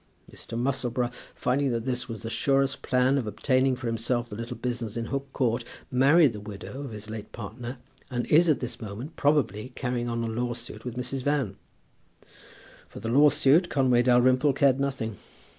Mr. Musselboro, finding that this was the surest plan of obtaining for himself the little business in Hook Court, married the widow of his late partner, and is at this moment probably carrying on a law suit with Mrs. Van. For the law suit Conway Dalrymple cared nothing.